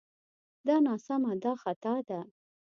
دا ناسمه دا خطا ده